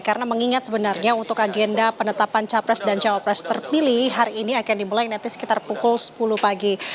karena mengingat sebenarnya untuk agenda penetapan capres dan cowopres terpilih hari ini akan dimulai nanti sekitar pukul sepuluh pagi